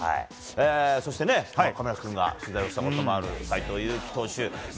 そして、亀梨君が取材をしたこともある斎藤佑樹投手。